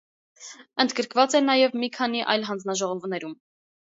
Ընդգրկված է նաև մի քանի այլ հանձնաժողովներում։